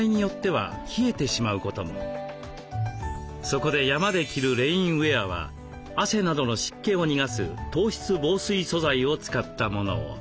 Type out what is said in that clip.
そこで山で着るレインウエアは汗などの湿気を逃がす透湿防水素材を使ったものを。